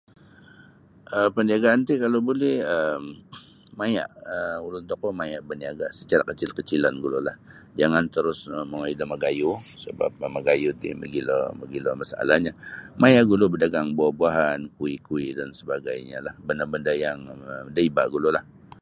um Parniagaan ti kalau buli um maya' um ulun tokou maya' baniaga secara kecil-kecilan gululah jangan terus mongoi da magayuh gulu' sebap magayuh ti mogilo masalahnyo maya' gulu' badagang buah-buahan kuih-kuih dan sebagainyalah benda-benda yang daiba' gululah.